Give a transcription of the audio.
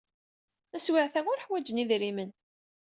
Taswiɛt-a, ur ḥwajen idrimen.